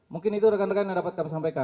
mungkin itu rekan rekan yang dapat kami sampaikan